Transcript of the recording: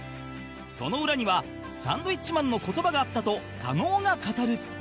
その裏にはサンドウィッチマンの言葉があったと加納が語る